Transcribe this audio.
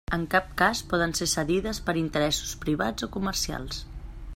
En cap cas poden ser cedides per interessos privats o comercials.